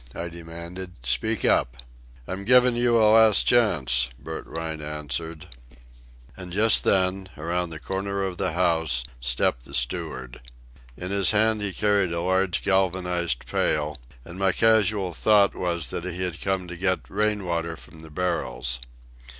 I demanded. "Speak up." "I'm givin' you a last chance," Bert Rhine answered. And just then, around the corner of the house, stepped the steward. In his hand he carried a large galvanized pail, and my casual thought was that he had come to get rain water from the barrels.